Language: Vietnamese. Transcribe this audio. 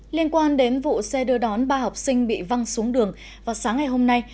liên quan đến vụ xe đưa đón ba học sinh bị văng xuống đường vào sáng ngày hôm nay